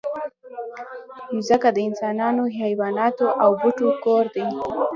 مځکه د انسانانو، حیواناتو او بوټو کور دی.